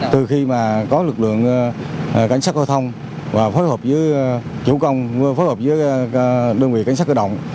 từ khi mà có lực lượng cảnh sát giao thông và phối hợp với chủ công phối hợp với đơn vị cảnh sát cơ động